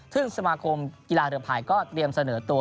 ซึ่งสมาคมกีฬาเรือภายก็เตรียมเสนอตัว